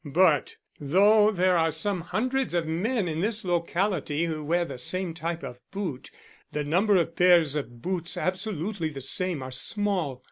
"But, though there are some hundreds of men in this locality who wear the same type of boot, the number of pairs of boots absolutely the same are small.